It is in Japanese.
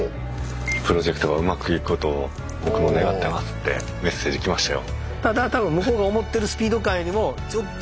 ってメッセージきましたよ。